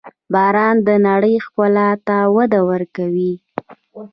• باران د نړۍ ښکلا ته وده ورکوي.